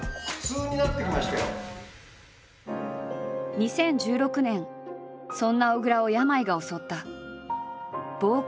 ２０１６年そんな小倉を病が襲った。